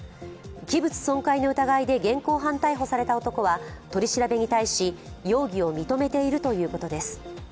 器物損壊の疑いで現行犯逮捕された男は取り調べに対し容疑を認めているということです。